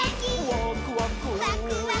「ワクワク」ワクワク。